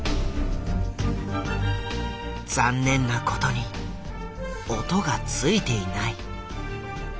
残念なことに音がついていない。